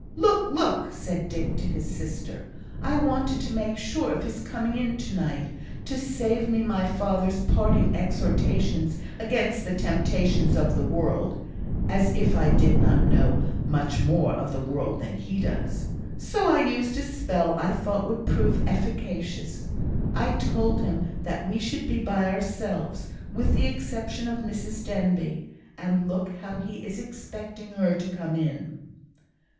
"Look! look!" said Dick to his sister. "I wanted to make sure of his coming in to night, to save me my father's parting exhortations against the temptations of the world (as if I did not know much more of the world than he does!), so I used a spell I thought would prove efficacious; I told him that we should be by ourselves, with the exception of Mrs Denbigh, and look how he is expecting her to come in!"